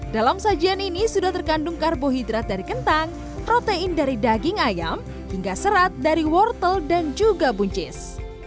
dalam sajian ini sudah terkandung karbohidrat dari kentang protein dari daging ayam hingga serat dari wortel dan juga buncis